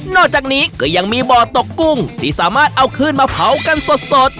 อกจากนี้ก็ยังมีบ่อตกกุ้งที่สามารถเอาคืนมาเผากันสด